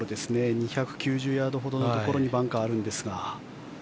２９０ヤードほどのところにバンカーがあるんですが。